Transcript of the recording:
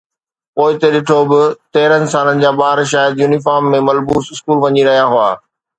پوئتي ڏٺو، ٻه تيرهن سالن جا ٻار شايد يونيفارم ۾ ملبوس اسڪول وڃي رهيا هئا.